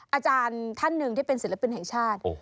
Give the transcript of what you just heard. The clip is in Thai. อาจารย์ท่านหนึ่งที่เป็นศิลปินแห่งชาติ